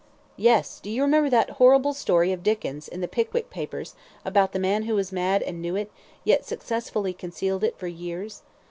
"Yes; do you remember that horrible story of Dickens', in the 'Pickwick Papers,' about the man who was mad, and knew it, yet successfully concealed it for years?